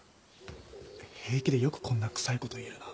平気でよくこんなくさいこと言えるな。